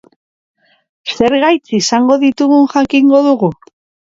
Zer gaitz izango ditugun jakingo dugu?